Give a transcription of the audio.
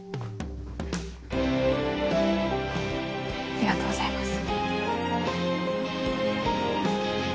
ありがとうございます。